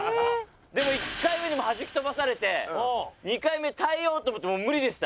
でも１回目にはじき飛ばされて２回目耐えようと思っても無理でした。